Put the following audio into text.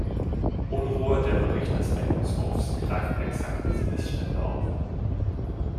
Unruhe Der Bericht des Rechnungshofs greift exakt diese Missstände auf...